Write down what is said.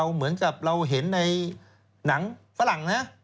เหมือนกับเราเห็นในหนังฝรั่งนะ